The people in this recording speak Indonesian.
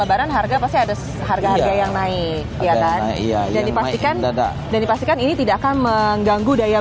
lebaran harga pasti ada harga harga yang naik dan dipastikan ini tidak akan mengganggu daya